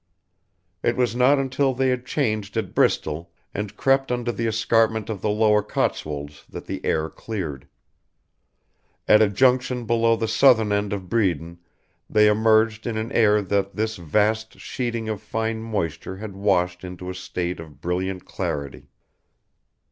It was not until they had changed at Bristol and crept under the escarpment of the lower Cotswolds that the air cleared. At a junction below the southern end of Bredon they emerged in an air that this vast sheeting of fine moisture had washed into a state of brilliant clarity.